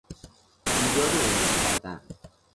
ایجاد امید کردن